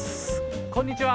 こんにちは！